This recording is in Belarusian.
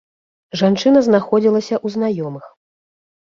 Жанчына знаходзілася ў знаёмых.